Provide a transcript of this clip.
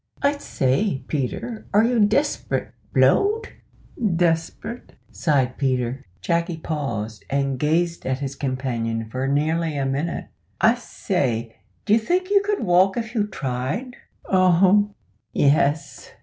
"I say, Peter, are you desprit blow'd?" "Desprit," sighed Peter. Jacky paused and gazed at his companion for nearly a minute. "I say, d'ye think you could walk if you tried?" "Oh, yes!"